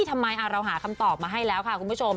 ทำไมเราหาคำตอบมาให้แล้วค่ะคุณผู้ชม